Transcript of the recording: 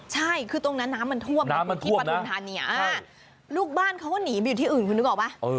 อ๋อเหรอน้ำมันท่วมที่ปรุงธัณฑ์เนี่ยลูกบ้านเขาหนีไปอยู่ที่อื่นคุณรู้หรือเปล่า